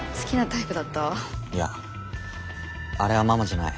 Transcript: いやあれはママじゃない。